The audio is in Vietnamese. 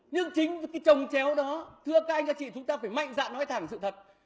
nhưng chính cái trồng chéo đó thưa các anh các chị chúng ta phải mạnh dạng nói thẳng sự thật